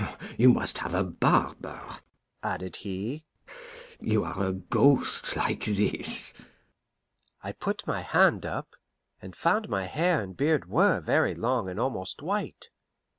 You must have a barber," added he; "you are a ghost like this." I put my hand up, and I found my hair and beard were very long and almost white.